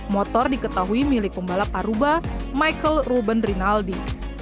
motor diketahui milik pembalap aruba michael ruben rinaldi